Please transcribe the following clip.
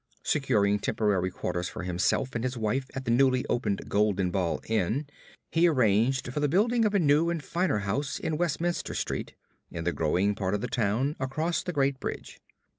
Securing temporary quarters for himself and his wife at the newly opened Golden Ball Inn, he arranged for the building of a new and finer house in Westminster Street, in the growing part of the town across the Great Bridge.